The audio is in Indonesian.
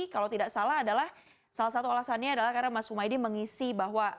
kalau tidak salah adalah salah satu alasannya adalah karena mas humaydi mengisi bahwa